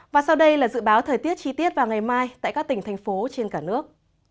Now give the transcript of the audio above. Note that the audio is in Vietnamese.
và sau đây là dự báo thời tiết chi tiết vào ngày mai tại các tỉnh thành phố trên cả nước